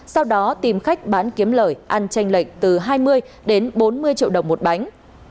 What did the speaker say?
sau đó tìm khách bán kiếm lời ăn tranh lệnh từ hai mươi bốn mươi triệu đồng một bánh